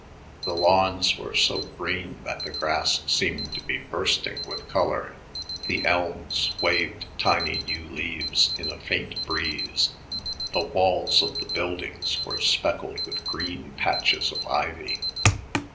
The lawns were so green that the grass seemed to be bursting with color; the elms waved tiny new leaves in a faint breeze; the walls of the buildings were speckled with green patches of ivy.